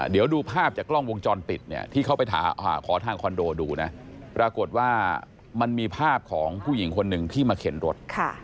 เดี๋ยวดูภาพจากกล้องวงจรปิดเนี่ยที่เขาไปขอทางคอนโดดูนะปรากฏว่ามันมีภาพของผู้หญิงคนหนึ่งที่มาเข็นรถ